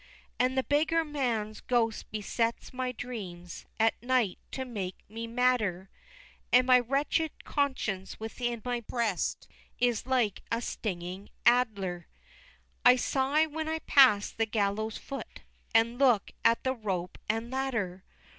XXXVI. And the beggar man's ghost besets my dreams, At night to make me madder, And my wretched conscience, within my breast, Is like a stinging adder; I sigh when I pass the gallows' foot, And look at the rope and ladder!